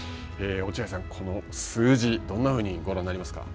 落合さん、この数字どんなふうにご覧になりますか。